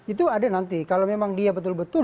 itu ada nanti kalau memang dia betul betul